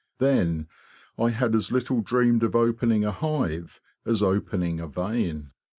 Then I had as little dreamed of opening a hive as opening a vein.